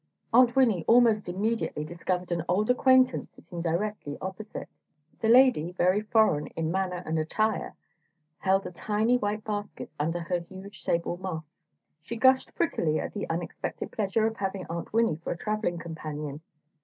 Aunt Winnie almost immediately discovered an old acquaintance sitting directly opposite. The lady, very foreign in manner and attire, held a tiny white basket under her huge sable muff. She gushed prettily at the unexpected pleasure of having Aunt Winnie for a travelling companion.